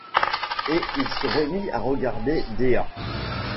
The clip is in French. Et il se remit à regarder Dea.